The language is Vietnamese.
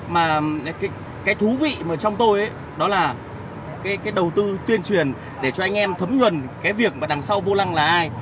mà cái thú vị mà trong tôi đó là cái đầu tư tuyên truyền để cho anh em thấm nhuần cái việc mà đằng sau vô lăng là ai